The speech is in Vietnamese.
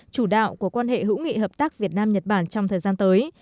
chủ đạo của quan hệ hữu nghị hợp tác việt nam nhật bản trong thời gian tới